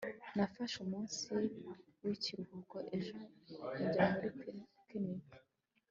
nafashe umunsi w'ikiruhuko ejo njya muri picnic